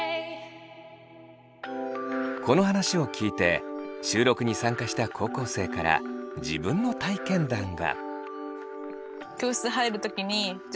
この話を聞いて収録に参加した高校生から自分の体験談が。